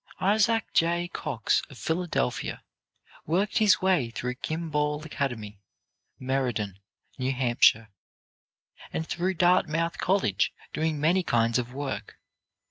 Isaac J. Cox of Philadelphia worked his way through Kimball Academy, Meriden, N. H., and through Dartmouth College, doing many kinds of work.